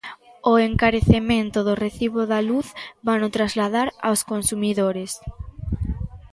O encarecemento do recibo da luz vano trasladar aos consumidores.